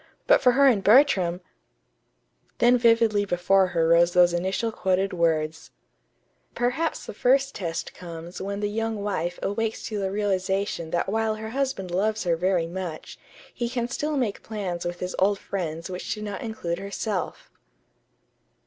but for her and Bertram Then vividly before her rose those initial quoted words: "Perhaps the first test comes when the young wife awakes to the realization that while her husband loves her very much, he can still make plans with his old friends which do not include herself."